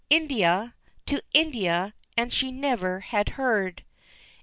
India! To India! And she had never heard.